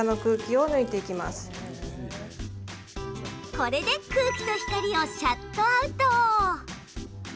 これで空気と光をシャットアウト。